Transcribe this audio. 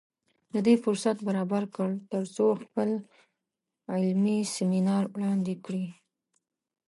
د دې فرصت برابر کړ تر څو خپل علمي سیمینار وړاندې کړي